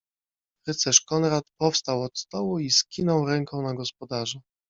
Rycerz Konrad powstał od stołu i skinął ręką na gospodarza.